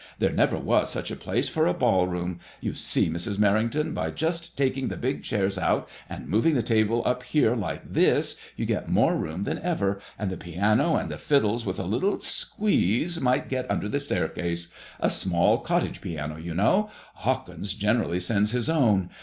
There never was such a place for a ball room. You see, Mrs. Merrington, by just taking the big chairs ont and moving the table up here Hke this, you get more room than ever; and the piano and the fiddles, with a little squeeze, might get under the staircase. A small cottage piano, you know. Hawkins generally sends his own.